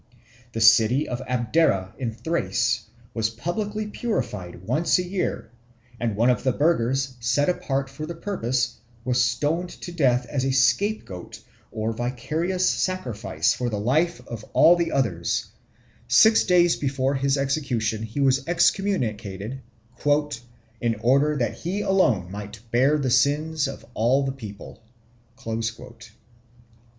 The city of Abdera in Thrace was publicly purified once a year, and one of the burghers, set apart for the purpose, was stoned to death as a scapegoat or vicarious sacrifice for the life of all the others; six days before his execution he was excommunicated, "in order that he alone might bear the sins of all the people."